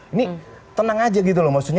ini tenang aja gitu loh maksudnya